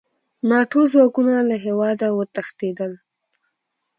ناټو ځواکونه له هېواده وتښتېدل.